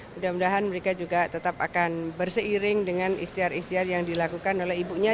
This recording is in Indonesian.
mudah mudahan mereka juga tetap akan berseiring dengan ikhtiar ikhtiar yang dilakukan oleh ibunya